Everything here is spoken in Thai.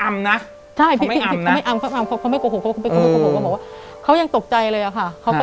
อเรนนี่